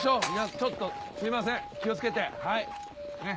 ちょっとすいません気を付けてはいねっ。